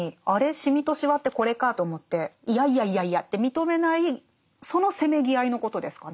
シミとシワってこれかと思っていやいやいやいやって認めないそのせめぎあいのことですかね？